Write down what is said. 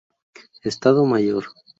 Estado Mayor".